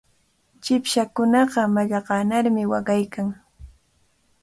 Chipshakunaqa mallaqanarmi waqaykan.